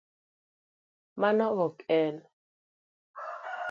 Mano ok e